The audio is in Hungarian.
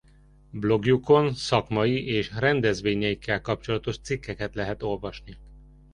A blogjukon szakmai és rendezvényeikkel kapcsolatos cikkeket lehet olvasni.